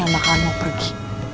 yang bakalan mau pergi